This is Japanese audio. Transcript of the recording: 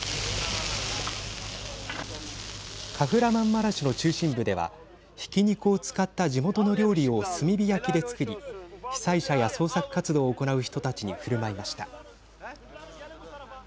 カフラマンマラシュの中心部ではひき肉を使った地元の料理を炭火焼きで作り被災者や捜索活動を行う人たちにふるまいました。